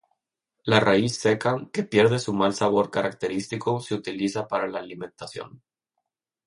La raíz seca, que pierde su mal sabor característico, se utiliza para la alimentación.